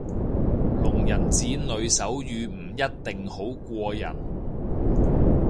聾人子女手語唔一定好過人